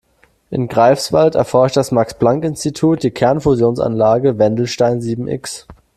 In Greifswald erforscht das Max-Planck-Institut die Kernfusionsanlage Wendelstein sieben-X.